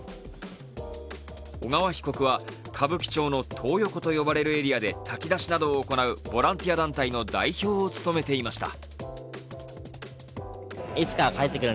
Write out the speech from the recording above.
小川被告は、歌舞伎町のトー横と呼ばれるエリアで炊き出しなどを行うボランティア団体の代表を務めていました。